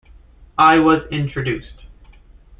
I was introduced.